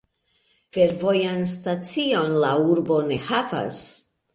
Fervojan stacion la urbo ne havas.